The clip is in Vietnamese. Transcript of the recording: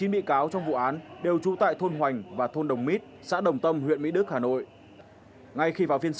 chín bị cáo trong vụ án đều trú tại thôn hoành và thôn đồng mít xã đồng tâm huyện mỹ đức hà nội